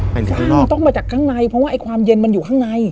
ข้างมันต้องมาจากข้างในเพราะว่าไอ้ความเย็นมันอยู่ข้างใน